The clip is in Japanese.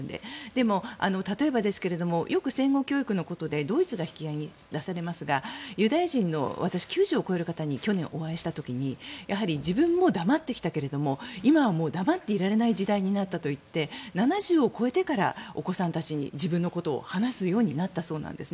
でも、例えばですけれどよく戦後教育のことでドイツが引き合いに出されましてユダヤ人の、９０を超える方に去年、お会いした時に自分も黙ってきたけど今はもう黙っていられない時代になったといって７０を超えてからお子さんたちに自分のことを話すようになったそうなんです。